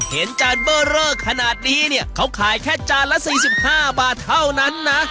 จานเบอร์เรอขนาดนี้เนี่ยเขาขายแค่จานละ๔๕บาทเท่านั้นนะ